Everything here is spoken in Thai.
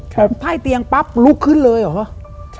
ไพ่เตียงปั๊บลุกขึ้นเลยเหรอ